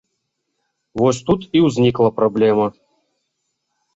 Вось тут і ўзнікла праблема.